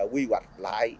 quy hoạch lại